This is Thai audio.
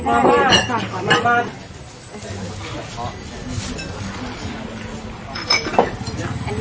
ขอมาก่อนขอมาบ้าง